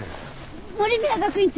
守宮学院長！